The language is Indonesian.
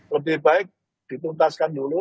lebih baik dituntaskan dulu